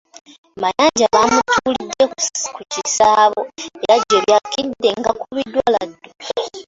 Mayanja baamutuulidde ku kisaabo era gye bakkidde ng'akubiddwa laddu.